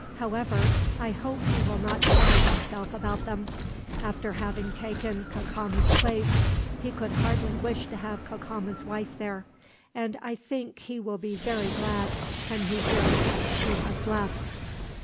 "However, I hope he will not trouble himself about them. After having taken Cacama's place, he could hardly wish to have Cacama's wife there; and I think he will be very glad when he hears that she has left.